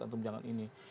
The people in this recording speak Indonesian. antum jangan ini